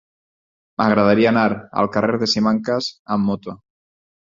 M'agradaria anar al carrer de Simancas amb moto.